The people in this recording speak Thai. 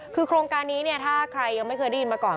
คือโครงการนี้เนี่ยถ้าใครยังไม่เคยได้ยินมาก่อน